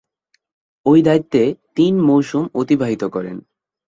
ঐ দায়িত্বে তিন মৌসুম অতিবাহিত করেন।